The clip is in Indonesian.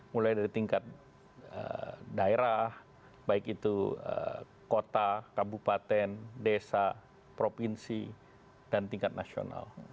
mulai dari tingkat daerah baik itu kota kabupaten desa provinsi dan tingkat nasional